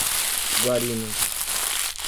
Guarinos